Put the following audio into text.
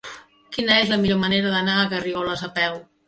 Quina és la millor manera d'anar a Garrigoles a peu?